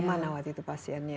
di mana waktu itu pasiennya